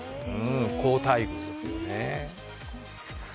厚待遇ですよね。